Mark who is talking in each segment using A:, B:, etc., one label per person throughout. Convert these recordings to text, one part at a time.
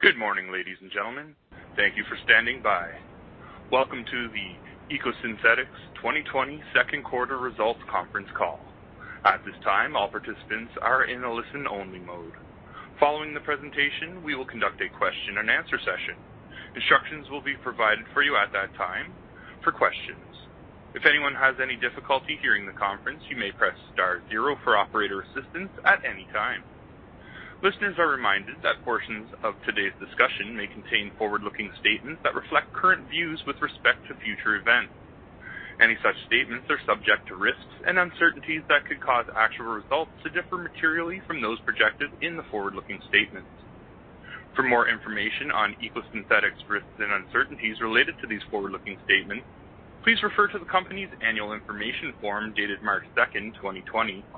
A: Good morning ladies and gentlemen? Thank you for standing by. Welcome to the EcoSynthetix 2020 second quarter results conference call. At this time, all participants are in a listen-only mode. Following the presentation, we will conduct a question-and-answer session. Instructions will be provided for you at that time for questions. If anyone has any difficulty hearing the conference, you may press star zero for operator assistance at any time. Listeners are reminded that portions of today's discussion may contain forward-looking statements that reflect current views with respect to future events. Any such statements are subject to risks and uncertainties that could cause actual results to differ materially from those projected in the forward-looking statements. For more information on EcoSynthetix risks and uncertainties related to these forward-looking statements, please refer to the company's annual information form dated March 2, 2020,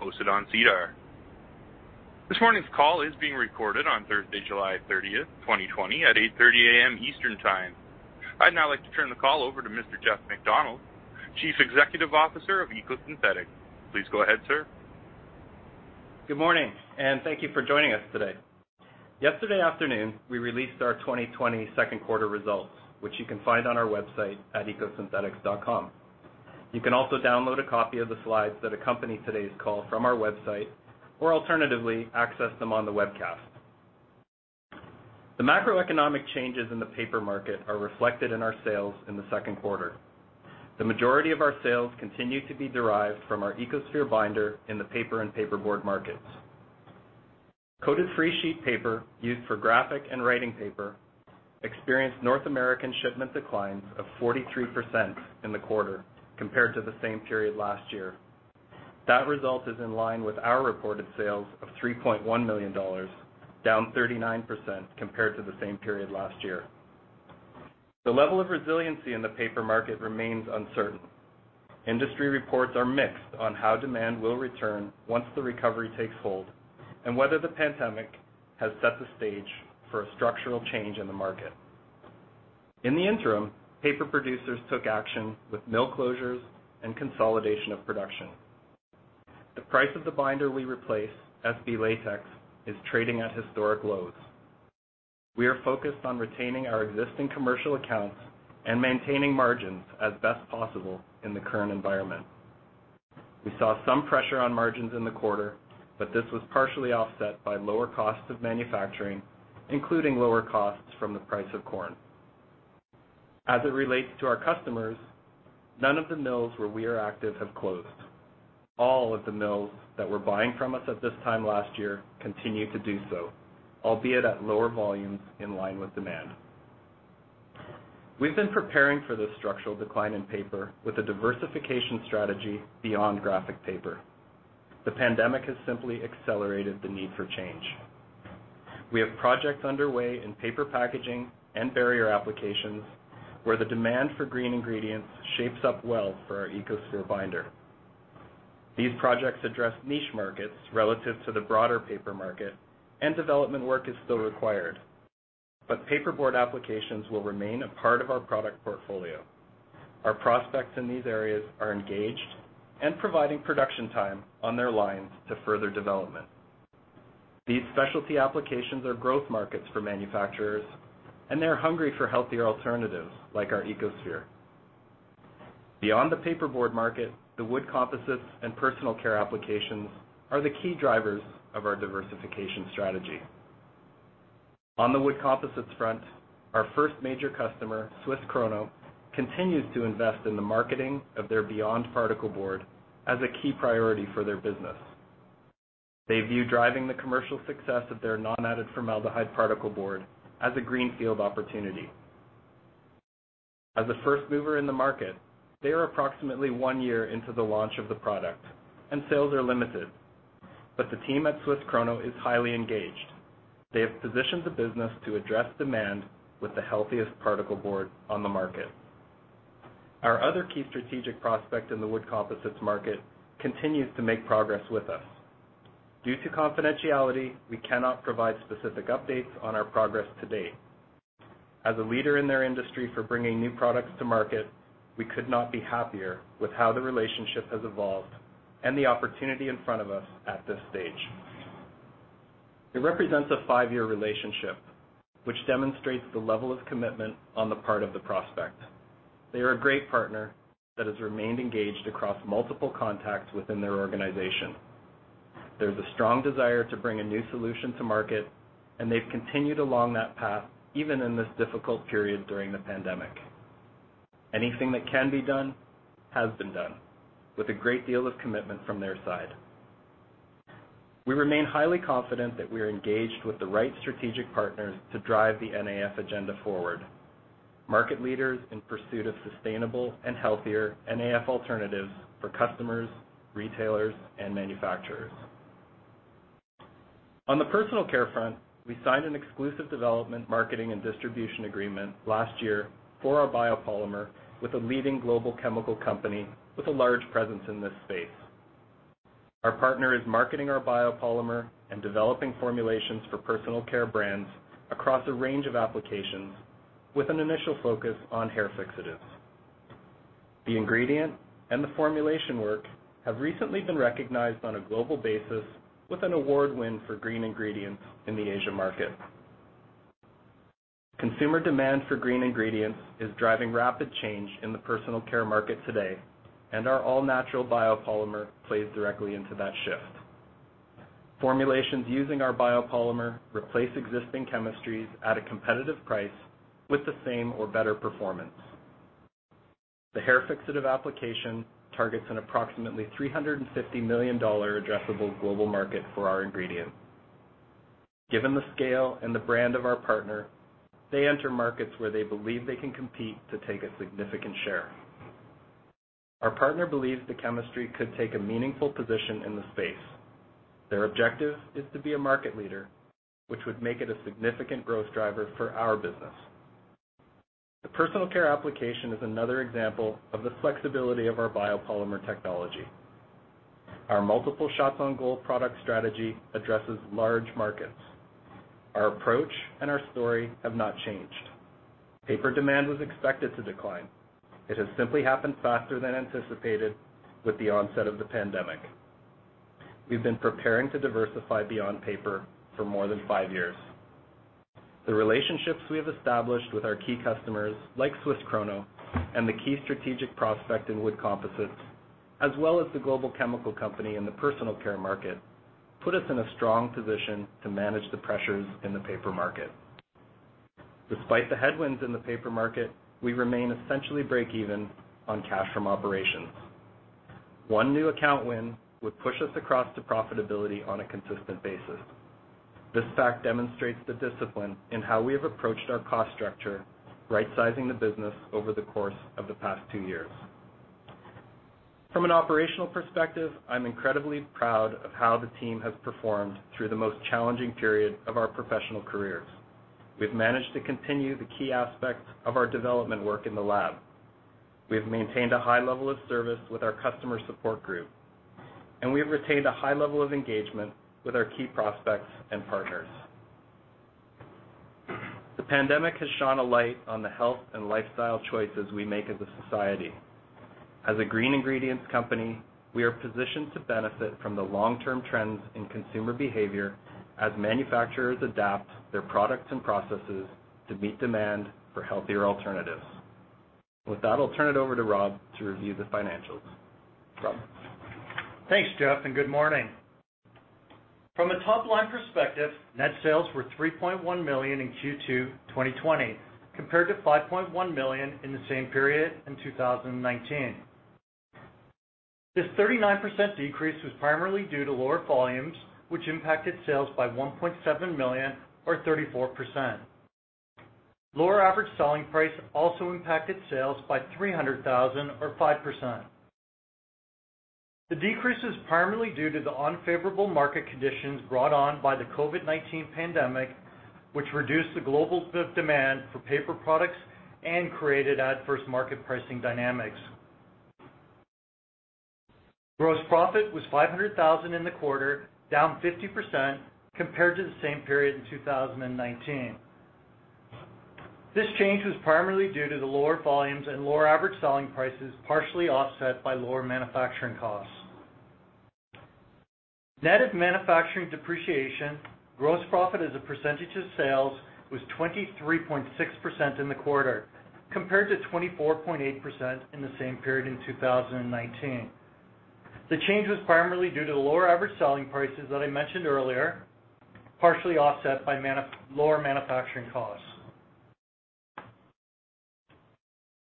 A: posted on SEDAR. This morning's call is being recorded on Thursday, July 30, 2020, at 8:30 A.M. Eastern Time. I'd now like to turn the call over to Mr. Jeff MacDonald, Chief Executive Officer of EcoSynthetix, please go ahead, sir.
B: Good morning, and thank you for joining us today. Yesterday afternoon, we released our 2020 second quarter results, which you can find on our website at ecosynthetix.com. You can also download a copy of the slides that accompany today's call from our website, or alternatively, access them on the webcast. The macroeconomic changes in the paper market are reflected in our sales in the second quarter. The majority of our sales continue to be derived from our EcoSphere binder in the paper and paperboard markets. Coated free sheet paper used for graphic and writing paper experienced North American shipment declines of 43% in the quarter compared to the same period last year. That result is in line with our reported sales of $3.1 million, down 39% compared to the same period last year. The level of resiliency in the paper market remains uncertain. Industry reports are mixed on how demand will return once the recovery takes hold and whether the pandemic has set the stage for a structural change in the market. In the interim, paper producers took action with mill closures and consolidation of production. The price of the binder we replace, SB latex, is trading at historic lows. We are focused on retaining our existing commercial accounts and maintaining margins as best possible in the current environment. We saw some pressure on margins in the quarter, but this was partially offset by lower costs of manufacturing, including lower costs from the price of corn. As it relates to our customers, none of the mills where we are active have closed. All of the mills that were buying from us at this time last year continue to do so, albeit at lower volumes in line with demand. We've been preparing for this structural decline in paper with a diversification strategy beyond graphic paper. The pandemic has simply accelerated the need for change. We have projects underway in paper packaging and barrier applications, where the demand for green ingredients shapes up well for our EcoSphere binder. These projects address niche markets relative to the broader paper market and development work is still required. Paperboard applications will remain a part of our product portfolio. Our prospects in these areas are engaged and providing production time on their lines to further development. These specialty applications are growth markets for manufacturers, and they're hungry for healthier alternatives like our EcoSphere. Beyond the paperboard market, the wood composites and personal care applications are the key drivers of our diversification strategy. On the wood composites front, our first major customer, SWISS KRONO, continues to invest in the marketing of their BE.YOND Particleboard as a key priority for their business. They view driving the commercial success of their non-added formaldehyde particleboard as a greenfield opportunity. As a first mover in the market, they are approximately one year into the launch of the product, and sales are limited. The team at SWISS KRONO is highly engaged. They have positioned the business to address demand with the healthiest particleboard on the market. Our other key strategic prospect in the wood composites market continues to make progress with us. Due to confidentiality, we cannot provide specific updates on our progress to date. As a leader in their industry for bringing new products to market, we could not be happier with how the relationship has evolved and the opportunity in front of us at this stage. It represents a five-year relationship, which demonstrates the level of commitment on the part of the prospect. They are a great partner that has remained engaged across multiple contacts within their organization. There's a strong desire to bring a new solution to market, and they've continued along that path even in this difficult period during the pandemic. Anything that can be done has been done with a great deal of commitment from their side. We remain highly confident that we are engaged with the right strategic partners to drive the NAF agenda forward. Market leaders in pursuit of sustainable and healthier NAF alternatives for customers, retailers, and manufacturers. On the personal care front, we signed an exclusive development, marketing, and distribution agreement last year for our biopolymer with a leading global chemical company with a large presence in this space. Our partner is marketing our biopolymer and developing formulations for personal care brands across a range of applications with an initial focus on hair fixatives. The ingredient and the formulation work have recently been recognized on a global basis with an award win for green ingredients in the Asia market. Consumer demand for green ingredients is driving rapid change in the personal care market today. Our all-natural biopolymer plays directly into that shift. Formulations using our biopolymer replace existing chemistries at a competitive price with the same or better performance. The hair fixative application targets an approximately $350 million addressable global market for our ingredient. Given the scale and the brand of our partner, they enter markets where they believe they can compete to take a significant share. Our partner believes the chemistry could take a meaningful position in the space. Their objective is to be a market leader, which would make it a significant growth driver for our business. The personal care application is another example of the flexibility of our biopolymer technology. Our multiple shots on goal product strategy addresses large markets. Our approach and our story have not changed. Paper demand was expected to decline. It has simply happened faster than anticipated with the onset of the pandemic. We've been preparing to diversify beyond paper for more than five years. The relationships we have established with our key customers, like SWISS KRONO, and the key strategic prospect in wood composites, as well as the global chemical company in the personal care market, put us in a strong position to manage the pressures in the paper market. Despite the headwinds in the paper market, we remain essentially break even on cash from operations. One new account win would push us across to profitability on a consistent basis. This fact demonstrates the discipline in how we have approached our cost structure, rightsizing the business over the course of the past two years. From an operational perspective, I'm incredibly proud of how the team has performed through the most challenging period of our professional careers. We've managed to continue the key aspects of our development work in the lab. We have maintained a high level of service with our customer support group, and we have retained a high level of engagement with our key prospects and partners. The pandemic has shone a light on the health and lifestyle choices we make as a society. As a green ingredients company, we are positioned to benefit from the long-term trends in consumer behavior as manufacturers adapt their products and processes to meet demand for healthier alternatives. With that, I'll turn it over to Rob to review the financials. Rob?
C: Thanks, Jeff, and good morning? From a top-line perspective, net sales were $3.1 million in Q2 2020, compared to $5.1 million in the same period in 2019. This 39% decrease was primarily due to lower volumes, which impacted sales by $1.7 million or 34%. Lower average selling price also impacted sales by $300,000 or 5%. The decrease is primarily due to the unfavorable market conditions brought on by the COVID-19 pandemic, which reduced the global demand for paper products and created adverse market pricing dynamics. Gross profit was $500,000 in the quarter, down 50% compared to the same period in 2019. This change was primarily due to the lower volumes and lower average selling prices, partially offset by lower manufacturing costs. Net of manufacturing depreciation, gross profit as a percentage of sales was 23.6% in the quarter, compared to 24.8% in the same period in 2019. The change was primarily due to the lower average selling prices that I mentioned earlier, partially offset by lower manufacturing costs.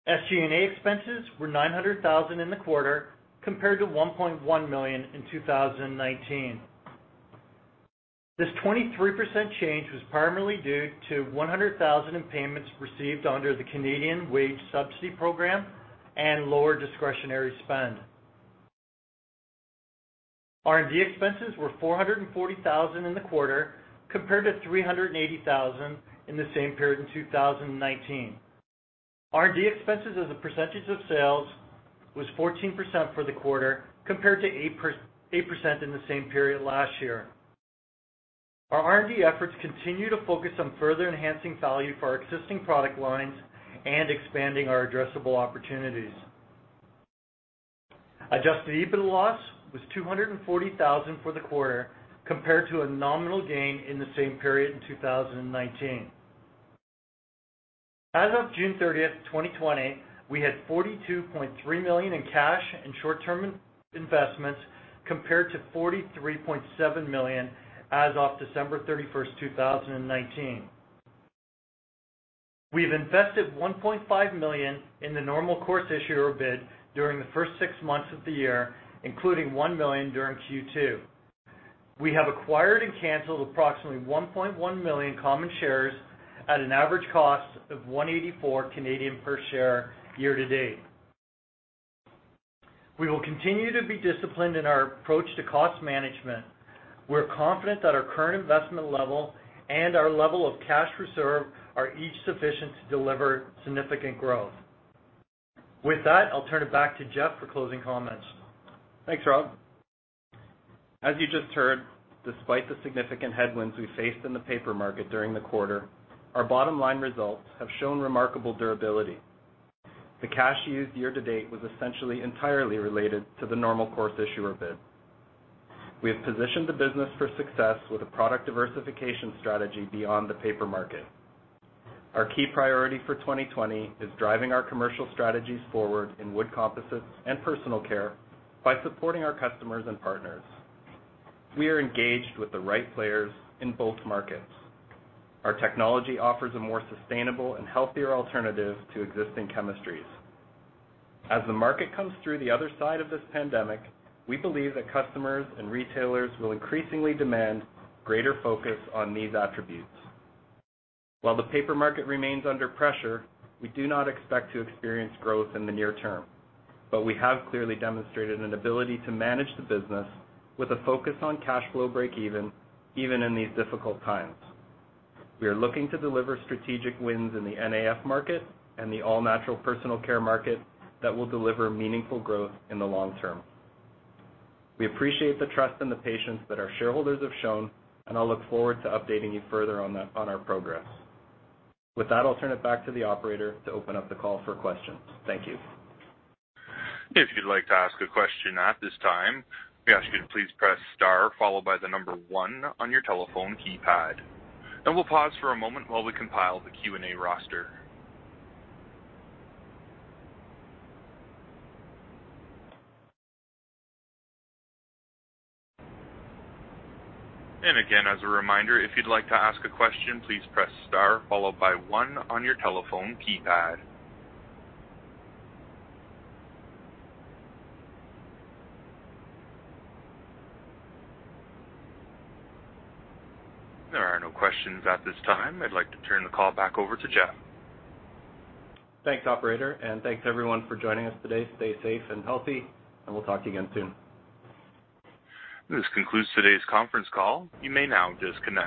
C: SG&A expenses were $900,000 in the quarter, compared to $1.1 million in 2019. This 23% change was primarily due to $100,000 in payments received under the Canadian Wage Subsidy Program and lower discretionary spend. R&D expenses were $440,000 in the quarter, compared to $380,000 in the same period in 2019. R&D expenses as a % of sales was 14% for the quarter, compared to 8% in the same period last year. Our R&D efforts continue to focus on further enhancing value for our existing product lines and expanding our addressable opportunities. Adjusted EBITDA loss was $240,000 for the quarter, compared to a nominal gain in the same period in 2019. As of June 30, 2020, we had $42.3 million in cash and short-term investments, compared to $43.7 million as of December 31, 2019. We have invested $1.5 million in the normal course issuer bid during the first six months of the year, including $1 million during Q2. We have acquired and canceled approximately 1.1 million common shares at an average cost of 1.84 per share year to date. We will continue to be disciplined in our approach to cost management. We're confident that our current investment level and our level of cash reserve are each sufficient to deliver significant growth. With that, I'll turn it back to Jeff for closing comments.
B: Thanks, Rob. As you just heard, despite the significant headwinds we faced in the paper market during the quarter, our bottom-line results have shown remarkable durability. The cash used year to date was essentially entirely related to the normal course issuer bid. We have positioned the business for success with a product diversification strategy beyond the paper market. Our key priority for 2020 is driving our commercial strategies forward in wood composites and personal care by supporting our customers and partners. We are engaged with the right players in both markets. Our technology offers a more sustainable and healthier alternative to existing chemistries. As the market comes through the other side of this pandemic, we believe that customers and retailers will increasingly demand greater focus on these attributes. While the paper market remains under pressure, we do not expect to experience growth in the near term, but we have clearly demonstrated an ability to manage the business with a focus on cash flow breakeven even in these difficult times. We are looking to deliver strategic wins in the NAF market and the all-natural personal care market that will deliver meaningful growth in the long term. We appreciate the trust and the patience that our shareholders have shown, and I look forward to updating you further on our progress. With that, I'll turn it back to the operator to open up the call for questions. Thank you.
A: If you'd like to ask a question at this time, we ask you to please press star followed by the number one on your telephone keypad, and we'll pause for a moment while we compile the Q&A roster. Again, as a reminder, if you'd like to ask a question, please press star followed by one on your telephone keypad. There are no questions at this time. I'd like to turn the call back over to Jeff.
B: Thanks, operator, and thanks, everyone, for joining us today. Stay safe and healthy, and we'll talk to you again soon.
A: This concludes today's conference call, you may now disconnect.